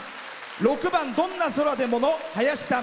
６番「どんな空でも」のはやしさん。